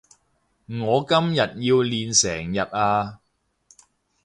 我今日要練成日呀